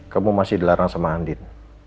kamu masih dilarang sama andin